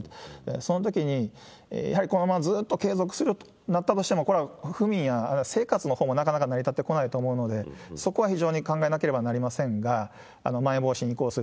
そのときにやはりこのままずっと継続するとなったとしても、これは府民や生活のほうもなかなか成り立ってこないと思いますので、そこは非常に考えなければなりませんが、まん延防止に移行する。